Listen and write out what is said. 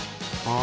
あ